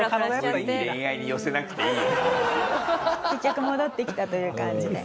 結局戻ってきたという感じで。